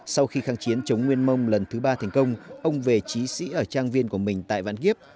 sau khi kháng chiến chống nguyên mông lần thứ ba thành công ông về trí sĩ ở trang viên của mình tại vạn kiếp